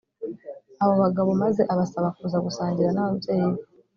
abo bagabo maze abasaba kuza gusangira n ababyeyi be